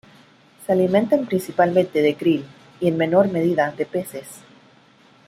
Se alimentan principalmente de kril y en menor medida de peces.